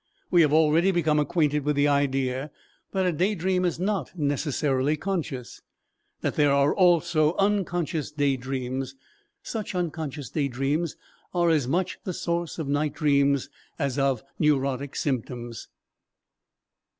We have already become acquainted with the idea that a day dream is not necessarily conscious, that there are also unconscious day dreams. Such unconscious day dreams are as much the source of night dreams as of neurotic symptoms.